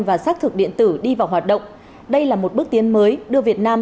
và xác thực điện tử đi vào hoạt động đây là một bước tiến mới đưa việt nam